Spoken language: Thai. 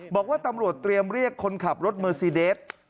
บอกว่าตำรวจเตรียมเรียกคนขับรถเมอร์ซีเดส